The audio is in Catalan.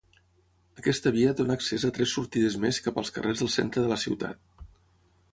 Aquesta via dóna accés a tres sortides més cap als carrers del centre de la ciutat.